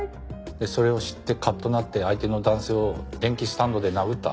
でそれを知ってカッとなって相手の男性を電気スタンドで殴った。